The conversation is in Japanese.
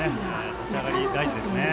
立ち上がり、大事ですね。